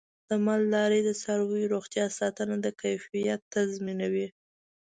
د مالدارۍ د څارویو روغتیا ساتنه د کیفیت تضمینوي.